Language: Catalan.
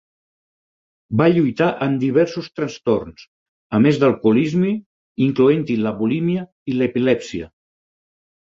Va lluitar amb diversos trastorns, a més d'alcoholisme, incloent-hi la bulímia i l'epilèpsia.